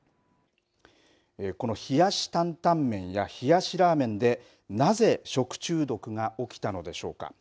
この冷やしタンタン麺や冷やしラーメンでなぜ食中毒が起きたのでしょうか。